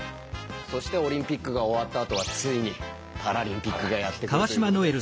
そしてオリンピックが終わったあとはついにパラリンピックがやって来るということで。